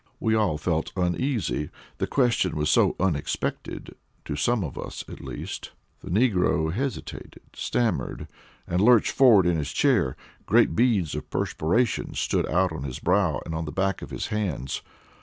We all felt uneasy the question was so unexpected, to some of us at least. The negro hesitated, stammered, and lurched forward in his chair. Great beads of perspiration stood out on his brow and on the back of his hands.